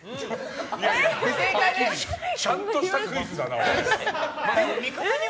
いやいや。ちゃんとしたクイズだな。